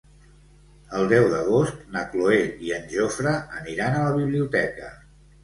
El deu d'agost na Cloè i en Jofre aniran a la biblioteca.